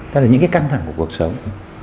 đó là những cái căng thẳng của cuộc sống